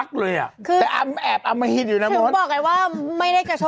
ครับผม